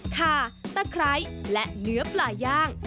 คาตะไคร้และเนื้อปลาย่าง